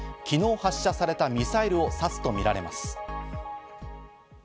昨日発射されたミサイルを指すとみられます。